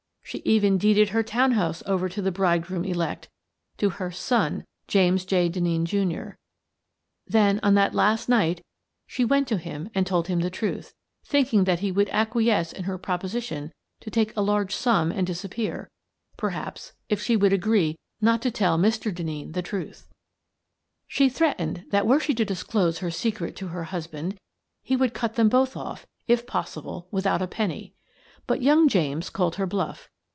She even deeded her town house over to the bridegroom elect — to her 'son/ James J. Denneen, Jr. Then, on that last night, she went to him and told him the truth, think ing that he would acquiesce in her proposition to take a large sum and disappear, perhaps, if she would agree not to tell Mr. Denneen the truth. 268 Miss Frances Baird, Detective She threatened that, were she to disclose her secret to her husband, he would cut them both off, if pos sible, without a penny. " But young James called her bluff.